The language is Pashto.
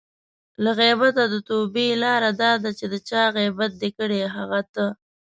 له غیبته د توبې لاره دا ده چې د چا غیبت دې کړی؛ هغه ته